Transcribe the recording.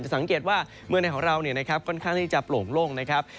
จะสังเกตว่าเมืองในของเราเนี่ยนะครับค่อนข้างที่จะโปร่งโล่งนะครับ